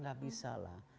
nggak bisa lah